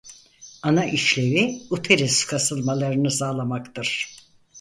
Ana işlevi uterus kasılmalarını sağlamaktır.